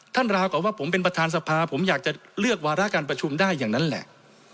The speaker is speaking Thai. ราวกับว่าผมเป็นประธานสภาผมอยากจะเลือกวาระการประชุมได้อย่างนั้นแหละ